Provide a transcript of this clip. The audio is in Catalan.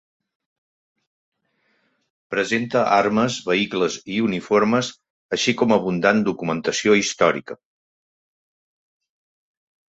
Presenta armes, vehicles i uniformes, així com abundant documentació històrica.